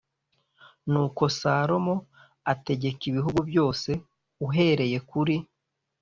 Nuko Salomo ategeka ibihugu byose uhereye kuri